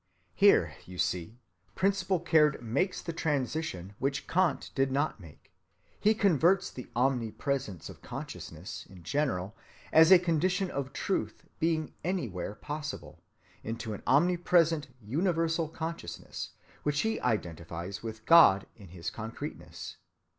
Here, you see, Principal Caird makes the transition which Kant did not make: he converts the omnipresence of consciousness in general as a condition of "truth" being anywhere possible, into an omnipresent universal consciousness, which he identifies with God in his concreteness.